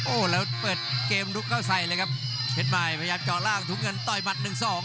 โอ้โหแล้วเปิดเกมลุกเข้าใส่เลยครับเผทมายพยายามก่อนล่างถุงเงินต่อยมัด๑๒